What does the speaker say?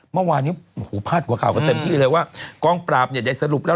เมื่อวานที่ผ้าข่าวก็เต็มที่เลยว่ากองปราบใหญ่สรุปแล้ว